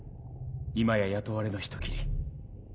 今や雇われの人斬り。